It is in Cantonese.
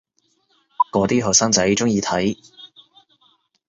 嗰啲後生仔鍾意睇